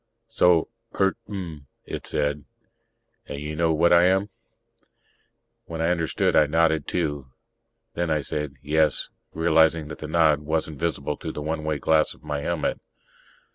"So. Eert mn," it said. "And you know what I am?" When I understood, I nodded, too. Then I said, "Yes," realizing that the nod wasn't visible through the one way glass of my helmet.